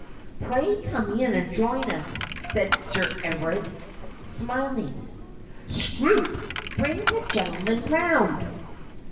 ' Pray come in and join us,' said Sir Everard, smiling. ' Scroope, bring the gentleman round.'